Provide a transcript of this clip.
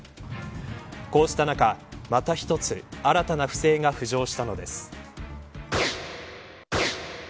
こうした中、また一つ新たな不正が浮上したのです。